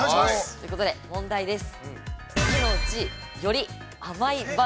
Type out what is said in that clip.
ということで問題です。